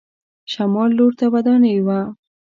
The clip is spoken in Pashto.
شمال لور ته ودانۍ وه.